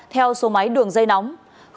theo số máy đường dây nóng